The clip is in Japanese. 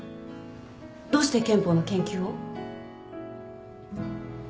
どうして憲法の研究を？